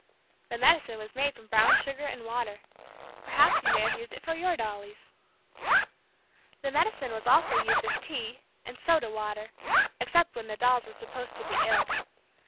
The medicine was made from brown sugar and water. Perhaps you may have used it for your dollies. The medicine was also used as "tea" and "soda water," except when the dolls were supposed to be ill.